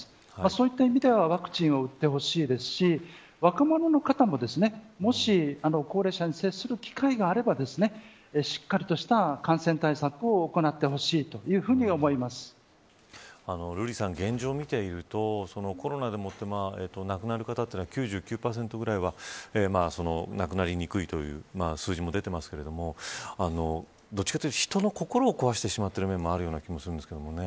そういった意味ではワクチンを打ってほしいですし若者の方も、もし高齢者に接する機会があればですねしっかりとした感染対策を行ってほしいというふうに瑠璃さん、現状を見ているとコロナでもって亡くなる方というのは９９％ぐらいは亡くなりにくいという数字も出ていますけれどもどっちかというと人の心を壊してしまっている面もあるような気がするんですけどね。